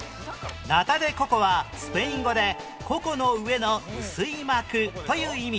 ナタデココはスペイン語で「ココの上の薄い膜」という意味